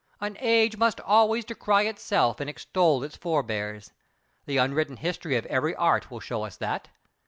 An age must always decry itself and extol its forbears. The unwritten history of every Art will show us that.